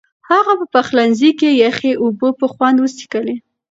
هغه په پخلنځي کې یخې اوبه په خوند وڅښلې.